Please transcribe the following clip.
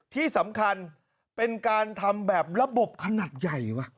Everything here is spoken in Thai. ที่สำคัญเป็นการทำแบบระบบขนาดใหญ่ว่ะ